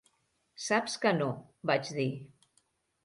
"Saps que no", vaig dir.